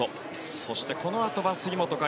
そしてこのあとは杉本海